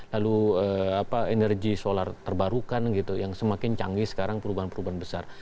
lalu energi solar terbarukan gitu yang semakin canggih sekarang perubahan perubahan besar